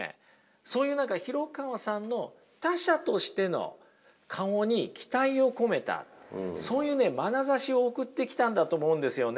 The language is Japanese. そういう廣川さんの他者としての顔に期待を込めたそういうねまなざしを送ってきたんだと思うんですよね。